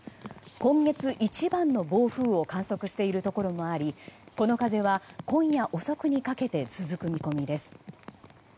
今月一番の暴風を観測しているところもありこの風は今夜遅くにかけて続く見込みです。